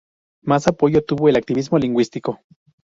Más apoyo tuvo el activismo lingüístico.